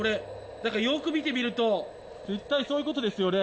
何かよく見てみると絶対そういうことですよね。